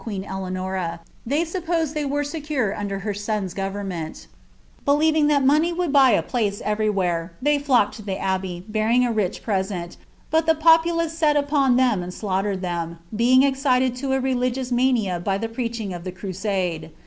901 Eiy dddiinions of qneen Eleanora, they supposed they were secure der her son's ffoverament Believing money would buy a place every lere, they flocked to tlie abbey, bearing a rich present, but the popu « set upon them and slaughtered them, being excited to a religious inia by the preaching of the crusade.